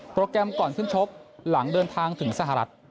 แกรมก่อนขึ้นชกหลังเดินทางถึงสหรัฐ